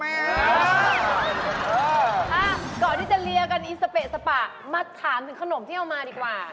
อ่ะก่อนที่จะเลียกันอีสเปะสปะมาถามถึงขนมที่เอามาดีกว่า